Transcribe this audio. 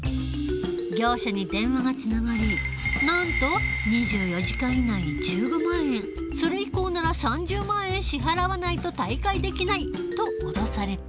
業者に電話がつながりなんと「２４時間以内に１５万円それ以降なら３０万円支払わないと退会できない」と脅された。